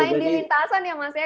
main di lintasan ya mas ya